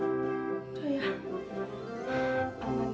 aduh tapi kok kebelet